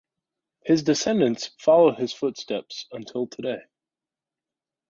His descendants follow his footsteps until today.